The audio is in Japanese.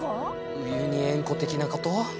ウユニ塩湖的なこと？